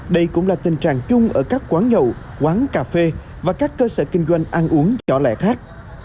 đây cũng là tình trạng chung ở các quán nhậu quán cà phê và các cơ sở kinh doanh ăn uống nhỏ lẻ khác